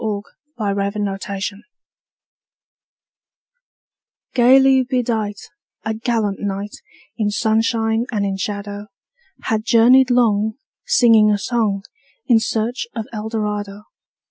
Edgar Allan Poe Eldorado GAYLY bedight, A gallant knight, In sunshine and in shadow, Had journeyed long, Singing a song, In search of Eldorado.